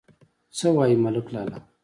_څه وايې، ملک لالا!